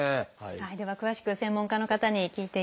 では詳しく専門家の方に聞いていきましょう。